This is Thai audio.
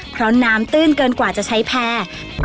เพราะน้ำตื้นเกินกว่าจะใช้แพร่